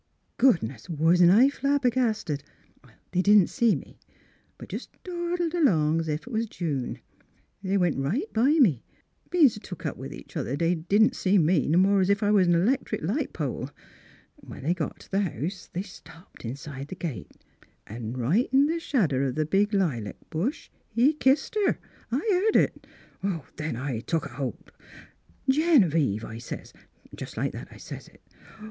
" Goodness ! Wasn't I flabbergasted. They didn't see me; but just dawdled along 's if it was June. They went right by me ; bein' s' took up with each other they didn't see me no more'n 's if I was a 'lectric light pole. When they got t' the house they stopped inside th' gate, an' .right in the shadder of the big lilac bush Mdss Fhilura's Wedding Gown he kissed her. I heerd it. Then I took a holt. "'Genevieve!' I sez; just hke that I sez it.